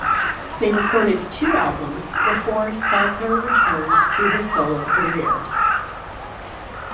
They recorded two albums before Souther returned to his solo career.